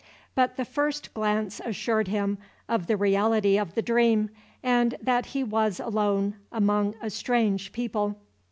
But the first glance assured him of the reality of the dream, and that he was alone, among a strange people.